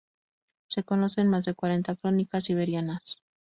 Se conocen más de cuarenta crónicas siberianas.